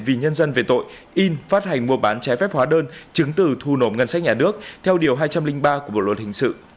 vì nhân dân về tội in phát hành mua bán trái phép hóa đơn chứng từ thu nộp ngân sách nhà nước theo điều hai trăm linh ba của bộ luật hình sự